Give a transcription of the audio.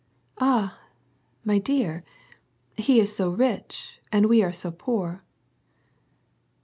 "Ah ! my dear, he is so rich and we are so poor."